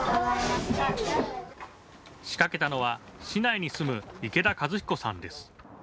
仕掛けたのは市内に住む池田一彦さんです。